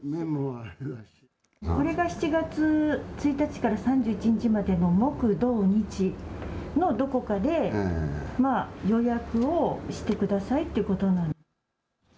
これが７月１日から３１日までの木土日のどこかで予約をしてくださいということなんです。